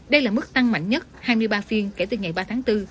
đây là mức tăng mạnh nhất hai mươi ba phiên kể từ ngày ba tháng bốn